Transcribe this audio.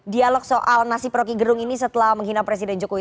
dialog soal nasib rocky gerung ini setelah menghina presiden jokowi